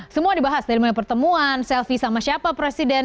semua dibahas dari mulai pertemuan selfie sama siapa presiden